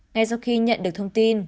ngay sau khi nhận được thông tin